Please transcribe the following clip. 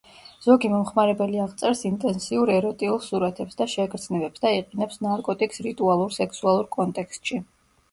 ზოგი მომხმარებელი აღწერს ინტენსიურ ეროტიულ სურათებს და შეგრძნებებს და იყენებს ნარკოტიკს რიტუალურ სექსუალურ კონტექსტში.